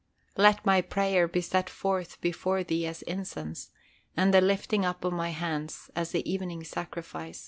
"LET MY PRAYER BE SET FORTH BEFORE THEE AS INCENSE: AND THE LIFTING UP OF MY HANDS AS THE EVENING SACRIFICE."